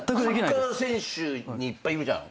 サッカー選手にいっぱいいるじゃん。